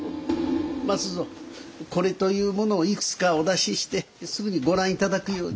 益蔵これというものをいくつかお出ししてすぐにご覧頂くように。